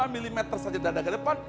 lima mm saja dada ke depan